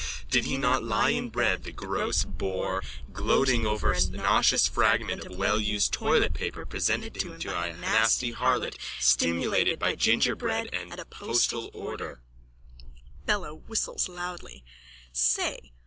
Did he not lie in bed, the gross boar, gloating over a nauseous fragment of wellused toilet paper presented to him by a nasty harlot, stimulated by gingerbread and a postal order? BELLO: (Whistles loudly.) Say!